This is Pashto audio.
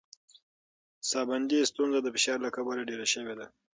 ساه بندي ستونزه د فشار له کبله ډېره شوې ده.